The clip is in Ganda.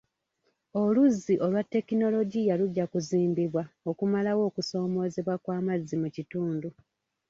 Oluzzi olwa tekinologiya lujja kuzimbibwa okumalawo okusoomoozebwa kw'amazzi mu kitundu.